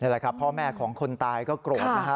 แหละครับพ่อแม่ของคนตายก็โกรธนะฮะ